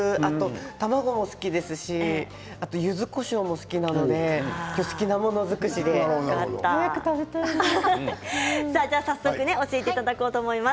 卵も好きだしゆずこしょうも好きなので好きなもの尽くしで早速教えていただこうと思います。